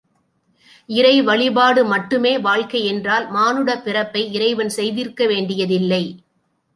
இறை வழிபாடு மட்டுமே வாழ்க்கை என்றால் மானுடப் பிறப்பை இறைவன் செய்திருக்க வேண்டியதில்லை.